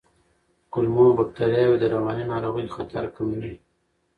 کولمو بکتریاوې د رواني ناروغیو خطر کموي.